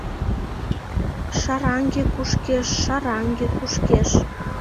Шараҥге кушкеш, шараҥге кушкеш